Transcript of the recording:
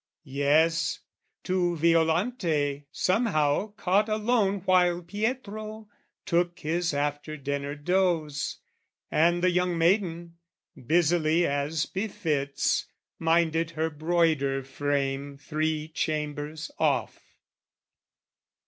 Yes to Violante somehow caught alone While Pietro took his after dinner doze, And the young maiden, busily as befits, Minded her broider frame three chambers off.